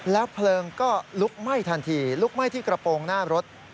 เพลิงก็ลุกไหม้ทันทีลุกไหม้ที่กระโปรงหน้ารถ